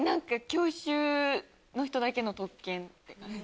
教習の人だけの特権って感じ。